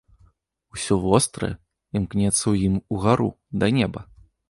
Усё вострае імкнецца ў ім угару, да неба.